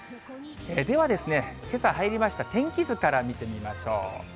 では、けさ入りました天気図から見てみましょう。